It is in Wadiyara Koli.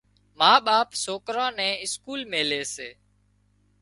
ما ٻاپ سوڪران نين اسڪول ميلي سي۔